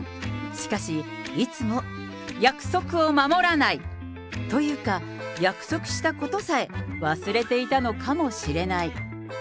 しかし、いつも約束を守らない、というか、約束したことさえ忘れていたのかもしれない。